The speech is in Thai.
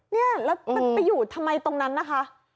เนี่ยแล้วมันไปอยู่ทำไมตรงนั้นนะคะ